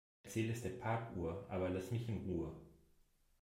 Erzähl es der Parkuhr, aber lass mich in Ruhe.